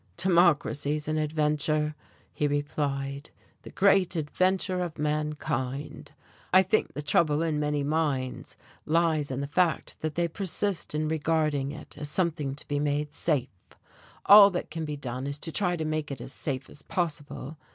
"Democracy's an adventure," he replied, "the great adventure of mankind. I think the trouble in many minds lies in the fact that they persist in regarding it as something to be made safe. All that can be done is to try to make it as safe as possible.